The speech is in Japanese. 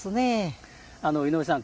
井上さん